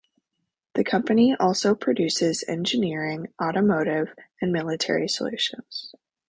The company also produces engineering, automotive and military solutions.